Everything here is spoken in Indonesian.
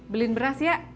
beliin beras ya